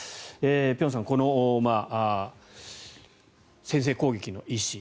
辺さん、この先制攻撃の意思。